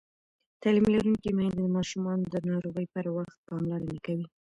تعلیم لرونکې میندې د ماشومانو د ناروغۍ پر وخت پاملرنه کوي.